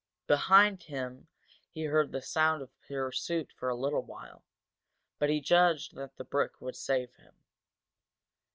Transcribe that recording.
Behind him he heard the sound of pursuit for a little while, but he judged that the brook would save him.